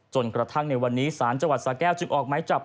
จนกระทั่งในวันนี้ศาลจังหวัดสาแก้วจึงออกไม้จับ